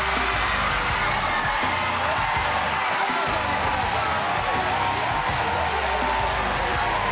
はいお座りください。